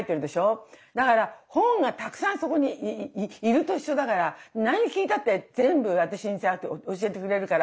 だから本がたくさんそこにいると一緒だから何聞いたって全部私にザーって教えてくれるから。